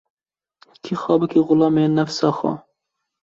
Kî xwe bike xulamê nefsa xwe